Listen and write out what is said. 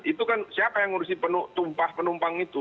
itu kan siapa yang ngurusi penumpang itu